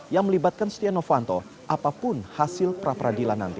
yang melibatkan setia novanto apapun hasil pra peradilan nanti